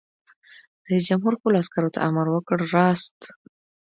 رئیس جمهور خپلو عسکرو ته امر وکړ؛ راست!